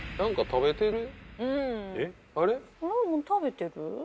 食べてる？